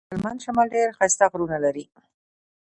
د هلمند شمال ډير ښايسته غرونه لري.